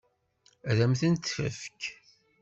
Ad m-tent-tefk?